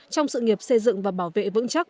trong sự nghiệp xây dựng và bảo vệ vững chắc